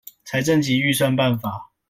財政及預算辦法